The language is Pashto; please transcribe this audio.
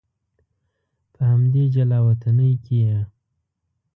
په همدې جلا وطنۍ کې یې.